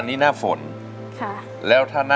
ทั้งในเรื่องของการทำงานเคยทำนานแล้วเกิดปัญหาน้อย